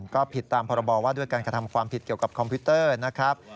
ก็ผิดตามพรบว่าด้วยการกระทำความผิดเกี่ยวกับคอมพิวเตอร์นะครับ